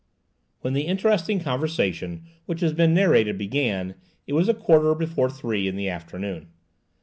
When the interesting conversation which has been narrated began, it was a quarter before three in the afternoon.